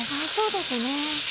そうですね。